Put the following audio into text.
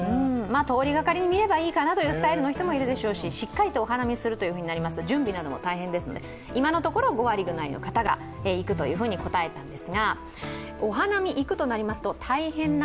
通りがかりに見ればいいかなというスタイルの方もいるでしょうししっかりとお花見するというふうになりますと準備も必要ですので、今のところ行くというふうに答えたんです。